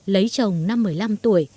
lấy chồng năm một mươi năm tuổi